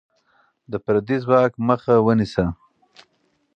د پردی ځواک مخه ونیسه.